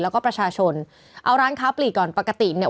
แล้วก็ประชาชนเอาร้านค้าปลีกก่อนปกติเนี่ย